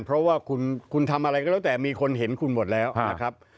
เพราะว่าคุณทำอะไรก็แล้วแต่มีคนเห็นคุณหมดแล้วนะครับ